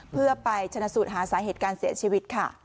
เพื่อไปชนะสูตรหาสาเหตุการเสียชีวิตค่ะ